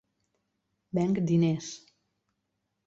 Venc diners.